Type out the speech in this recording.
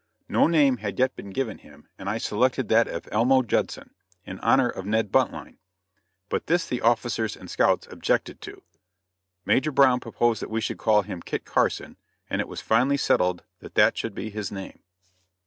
No name had yet been given him and I selected that of Elmo Judson, in honor of Ned Buntline; but this the officers and scouts objected to. Major Brown proposed that we should call him Kit Carson, and it was finally settled that that should be his name.